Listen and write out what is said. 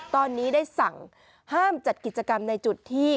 ตอนนี้ได้สั่งห้ามจัดกิจกรรมในจุดที่